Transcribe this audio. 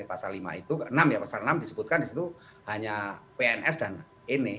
pasal lima itu ke enam ya pasal enam disebutkan di situ hanya pns dan ini